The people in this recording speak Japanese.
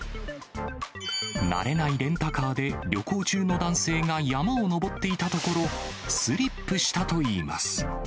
慣れないレンタカーで旅行中の男性が山を登っていたところ、スリップしたといいます。